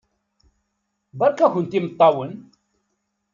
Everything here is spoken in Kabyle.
Beṛka-kent imeṭṭawen!